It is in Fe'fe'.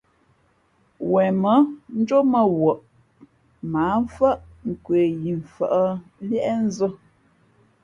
Wen mά njómα wαʼ mα ǎ mfάʼ nkwe yi mfα̌ʼ líéʼnzᾱ.